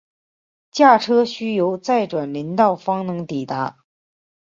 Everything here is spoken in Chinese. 驾车需由再转林道方能抵达。